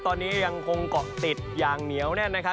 ตอนนี้ยังคงก็ติดยางเหนียวแน่นไงฮะ